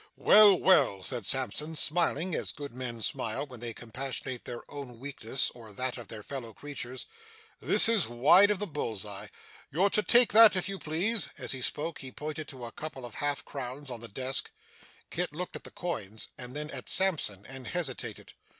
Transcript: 'Well, well,' said Sampson, smiling as good men smile when they compassionate their own weakness or that of their fellow creatures, 'this is wide of the bull's eye. You're to take that, if you please.' As he spoke, he pointed to a couple of half crowns on the desk. Kit looked at the coins, and then at Sampson, and hesitated.